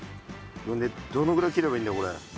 どのぐらい切ればいいんだこれ。